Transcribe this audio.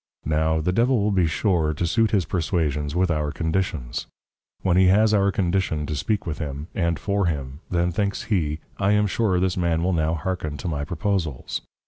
Now the Devil will be sure to suit his Perswasions with our Conditions. When he has our Condition to speak with him, & for him, then thinks he, _I am sure this man will now hearken to my Proposals!